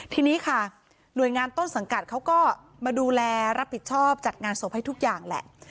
ทีนี้ค่ะหน่วยงานต้นสังกัดเขาก็มาดูแลรับผิดชอบจัดงานศพให้ทุกอย่างแหละ